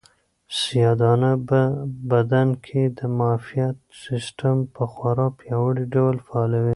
سیاه دانه په بدن کې د معافیت سیسټم په خورا پیاوړي ډول فعالوي.